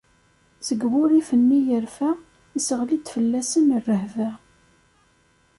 Seg wurrif-nni yerfa, isseɣli-d fell-asen rrehba.